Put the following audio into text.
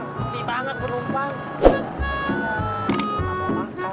sedih banget penumpang